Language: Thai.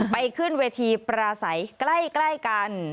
ไปขึ้นเวทีปราศัยใกล้กัน